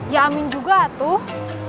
ya amin juga atuh